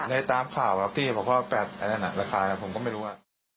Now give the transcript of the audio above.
ในตามข่าวที่บอกว่า๘อะไรแบบนั้นอะราคาผมก็ไม่รู้อะ